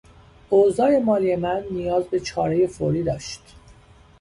اوضاع مالی من نیاز به چارهی فوری داشت.